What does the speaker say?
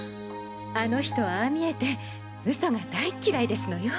あの人ああ見えて嘘が大っ嫌いですのよ。